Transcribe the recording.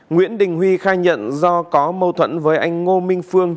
nguyễn đình huy khai nhận do có mâu thuẫn với anh ngô minh phương